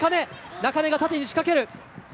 中根が縦に仕掛ける。